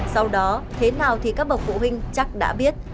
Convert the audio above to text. sau đó thế nào thì các bậc phụ huynh chắc đã biết